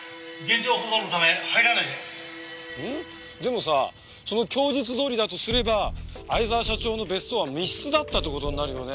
ん？でもさその供述どおりだとすれば逢沢社長の別荘は密室だったって事になるよね。